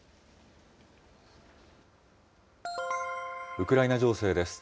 ウクライナ情勢です。